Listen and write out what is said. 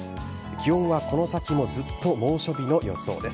気温は、この先もずっと猛暑日の予想です。